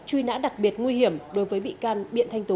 truy nã đặc biệt nguy hiểm đối với bị can biện thanh tú